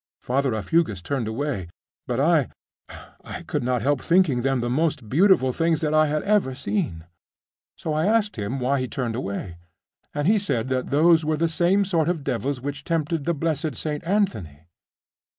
Father Aufugus turned away; but I.... I could not help thinking them the most beautiful things that I had ever seen....so I asked him why he turned away; and he said that those were the same sort of devils which tempted the blessed St. Anthony.